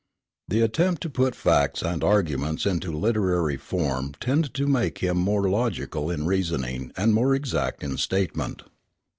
The attempt to put facts and arguments into literary form tended to make him more logical in reasoning and more exact in statement.